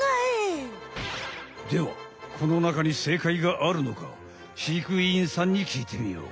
ではこの中に正解があるのか飼育員さんにきいてみよう。